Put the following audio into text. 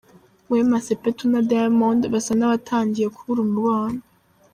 Wema Sepetu na Diamond basa n’abatangiye kubura umubano.